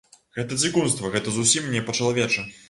Гэта дзікунства, гэта зусім не па-чалавечы.